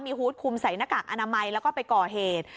มีฮูตคุมใส่หน้ากากอนามัยแล้วก็ไปก่อเหตุ